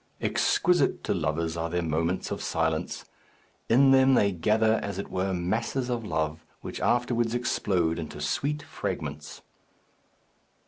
Exquisite to lovers are their moments of silence! In them they gather, as it were, masses of love, which afterwards explode into sweet fragments.